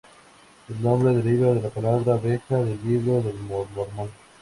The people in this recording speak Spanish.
El nombre deriva de la palabra "Abeja" del libro del mormón.